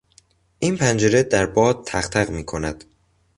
این پنجره در باد تق تق میکند.